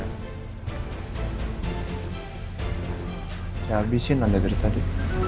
saya habisin anda dari tadi